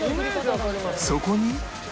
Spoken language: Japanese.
そこに